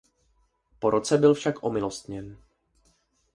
Po roce byl však omilostněn.